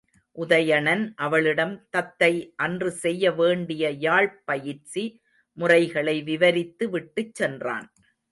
உதயணன் அவளிடம் தத்தை அன்று செய்ய வேண்டிய யாழ்ப் பயிற்சி முறைகளை விவரித்து விட்டுச் சென்றான்.